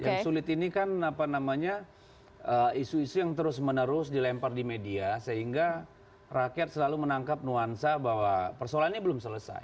yang sulit ini kan apa namanya isu isu yang terus menerus dilempar di media sehingga rakyat selalu menangkap nuansa bahwa persoalannya belum selesai